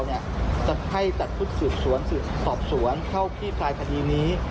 สุดท้ายของภาคประชาชนอย่างพวกเราเนี่ยจะให้ตัดพุทธสืบสวนสืบสอบสวนเข้าที่ภายคดีนี้